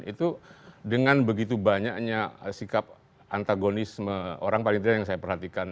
itu dengan begitu banyaknya sikap antagonisme orang paling tidak yang saya perhatikan